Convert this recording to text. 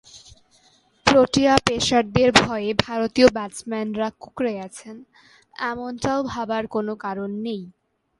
Protea পেসারদের ভয়ে ভারতীয় ব্যাটসম্যানরা কুঁকড়ে গেছেন—এমনটাও ভাবার কোনো কারণ নেই।